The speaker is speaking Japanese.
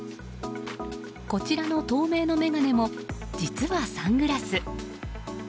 こちらの透明の眼鏡も実はサングラス。